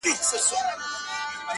مه وله د سترگو اټوم مه وله;